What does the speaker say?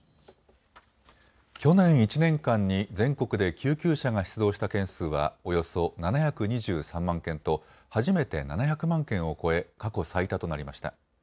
去年１年間に全国で救急車が出動した件数はおよそ７２３万件と初めて７００万件を超え過去最多となりました。